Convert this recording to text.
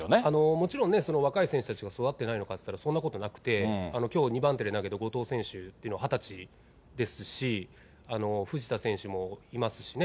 もちろんね、若い選手たちが育ってないのかっていったら、そんなことなくて、きょう２番手で投げた後藤選手っていうのは２０歳ですし、藤田選手もいますしね。